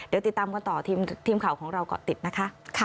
เดี๋ยวติดตามกันต่อทีมข่าวของเราก็ติดนะคะ